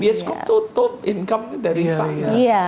biasa kok top income dari saatnya